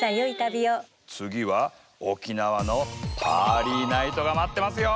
次は沖縄のパーリーナイトが待ってますよ。